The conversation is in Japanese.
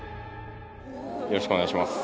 よろしくお願いします。